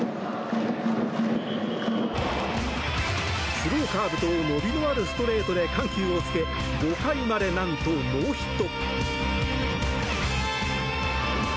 スローカーブと伸びのあるストレートで緩急をつけ５回までなんとノーヒット。